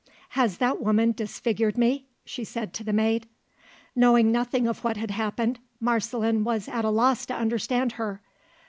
"Has that woman disfigured me?" she said to the maid. Knowing nothing of what had happened, Marceline was at a loss to understand her.